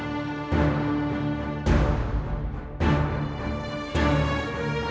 selagi dia masih mengatur hawa murni